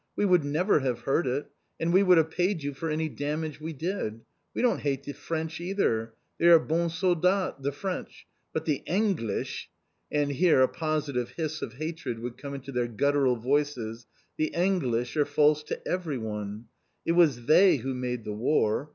We would never have hurt it. And we would have paid you for any damage we did. We don't hate the French either. They are 'bons soldats,' the French! But the 'Englisch' (and here a positive hiss of hatred would come into their guttural voices), the 'Englisch' are false to everyone. It was they who made the war.